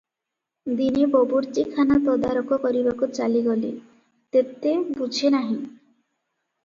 ଦିନେ ବବୁର୍ଚିଖାନା ତଦାରକ କରିବାକୁ ଚାଲିଗଲେ | ତେତେ- ବୁଝେ ନାହିଁ ।